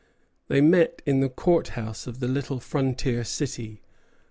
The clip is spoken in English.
They met in the court house of the little frontier city.